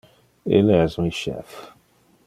Ille es mi chef.